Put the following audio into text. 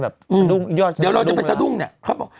ยอดก็จะสะดุ้งแล้วครับอืมเดี๋ยวเราจะเป็นสะดุ้งเนี่ยเขาบอก